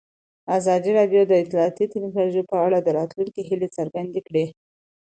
ازادي راډیو د اطلاعاتی تکنالوژي په اړه د راتلونکي هیلې څرګندې کړې.